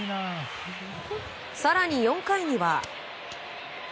更に４回には。